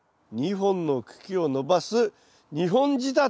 ２本の茎を伸ばす２本仕立て！